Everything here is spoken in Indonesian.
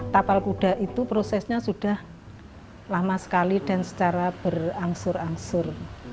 tapal kuda itu prosesnya sudah lama sekali dan secara berangsur angsur